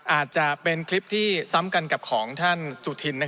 อาจจะเป็นคลิปที่ซ้ำกันกับของท่านสุธิน